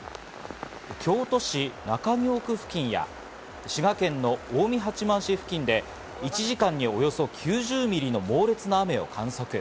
京都市中京区付近や滋賀県の近江八幡市付近で１時間におよそ９０ミリの猛烈な雨を観測。